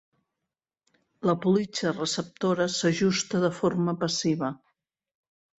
La politja receptora s’ajusta de forma passiva.